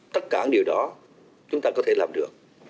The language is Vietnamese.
tất cả điều đó chúng ta có thể làm được